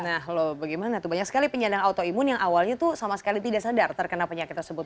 nah loh bagaimana tuh banyak sekali penyandang autoimun yang awalnya tuh sama sekali tidak sadar terkena penyakit tersebut